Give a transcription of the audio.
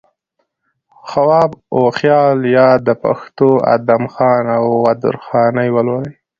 خواب وخيال يا د پښتو ادم خان و درخانۍ ولولئ